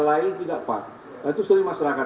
lain tidak pak nah itu sering masyarakat